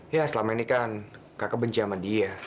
ya selama ini kan kakak benci sama dia